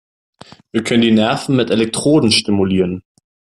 Wir können die Nerven mit Elektroden stimulieren.